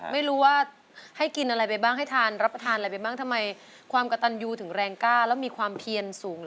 ไม่รู้ไว้กินอะไรไปบ้างให้ทานอะไรรับไท้ทานไปบ้างทำไม